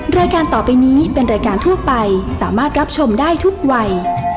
รายการต่อไปนี้เป็นรายการทั่วไปสามารถรับชมได้ทุกวัย